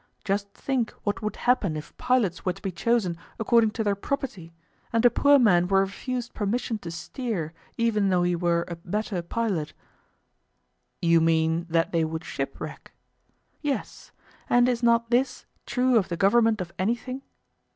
Just think what would happen if pilots were to be chosen according to their property, and a poor man were refused permission to steer, even though he were a better pilot? You mean that they would shipwreck? Yes; and is not this true of the government of anything?